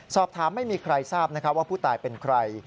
สอบถามไม่มีใครทราบว่าผู้ตายเป็นใคร